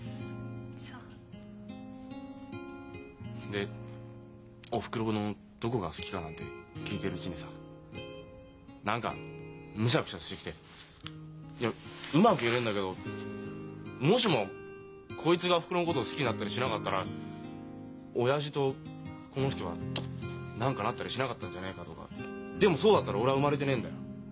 で「おふくろのどこが好きか」なんて聞いてるうちにさ何かムシャクシャしてきていやうまく言えねえんだけどもしもこいつがおふくろのことを好きになったりしなかったら親父とこの人は何かなったりしなかったんじゃねえかとかでもそうだったら俺は生まれてねえんだよ。